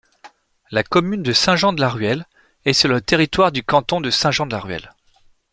La commune de Saint-Jean-de-la-Ruelle est sur le territoire du canton de Saint-Jean-de-la-Ruelle.